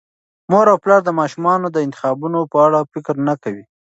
مور او پلار د ماشومانو د انتخابونو په اړه فکر نه کوي.